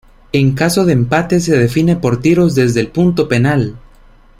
En caso de empate, se define por tiros desde el punto penal.